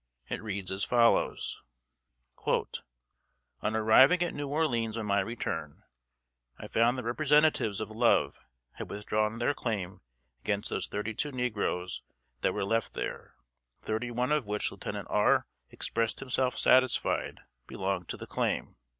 It reads as follows: "On arriving at New Orleans on my return, I found the representatives of Love had withdrawn their claim against those thirty two negroes that were left there, thirty one of which Lieutenant R. expressed himself satisfied belonged to the claim.